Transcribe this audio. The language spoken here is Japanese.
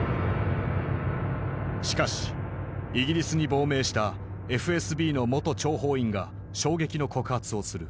しかしイギリスに亡命したＦＳＢの元諜報員が衝撃の告発をする。